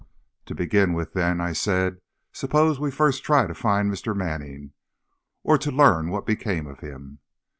"To begin with, then," I said, "suppose we try first to find Mr. Manning, or to learn what became of him."